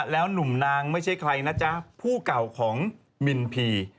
และหนุ่มนางผู้เก่าของหมินพี่